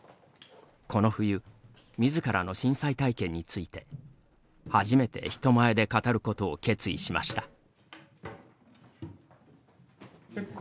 この冬みずからの震災体験について初めて人前で語ることを決意しました。